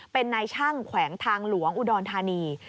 เป็นนายช่างแขวงทางหลวงอุดรธานี